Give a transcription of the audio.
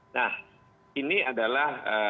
nah ini adalah